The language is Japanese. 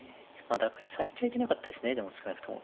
打開されちゃいけなかったですね少なくとも。